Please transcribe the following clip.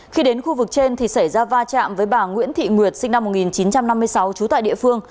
khi đến khu vực trên thì xảy ra va chạm với bà nguyễn thị nguyệt sinh năm một nghìn chín trăm năm mươi sáu trú tại địa phương